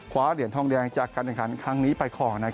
คว้าเหรียญทองแดงจากการการขันต์ครั้งนี้ไปของ